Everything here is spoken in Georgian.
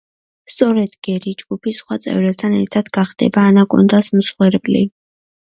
სწორედ გერი, ჯგუფის სხვა წევრებთან ერთად, გახდება ანაკონდას მსხვერპლი.